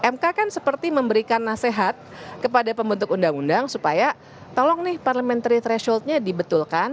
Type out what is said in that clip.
mk kan seperti memberikan nasihat kepada pembentuk undang undang supaya tolong nih parliamentary thresholdnya dibetulkan